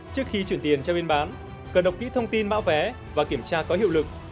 trước khi chuyển tiền cho bên bán cần đọc kỹ thông tin bão vé và kiểm tra có hiệu lực